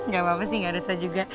gak apa apa sih gak rusak juga